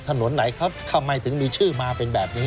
ถนนไหนครับทำไมถึงมีชื่อมาเป็นแบบนี้